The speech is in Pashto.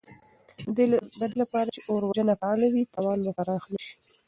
د دې لپاره چې اور وژنه فعاله وي، تاوان به پراخ نه شي.